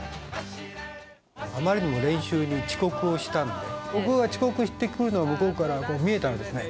あまりにも練習に遅刻をしたんで、僕が遅刻してくるのが向こうから見えたんですね。